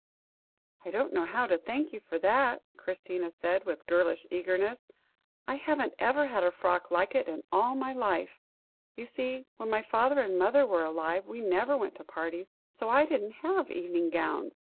"I don't know how to thank you for that," Christina said, with girlish eagerness. "I haven't ever had a frock like it in all my life. You see, when my father and mother were alive, we never went to parties, so I didn't have evening gowns.